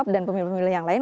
dan pemilih pemilih yang lain